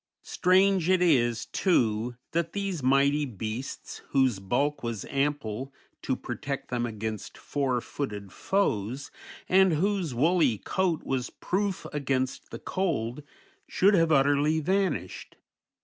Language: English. Strange it is, too, that these mighty beasts, whose bulk was ample to protect them against four footed foes, and whose woolly coat was proof against the cold, should have utterly vanished.